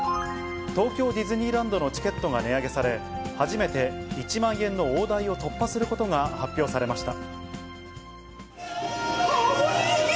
東京ディズニーランドのチケットが値上げされ、初めて１万円の大台を突破することが発表されました。